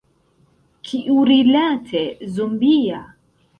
Kiurilate zombia?